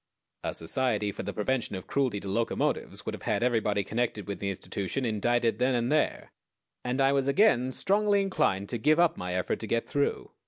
A Society for the Prevention of Cruelty to Locomotives would have had everybody connected with the institution indicted then and there, and I was again strongly inclined to give up my effort to get through.